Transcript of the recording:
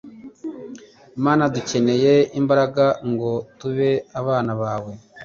mana dukeneye imbaraga ngo tube abana bawe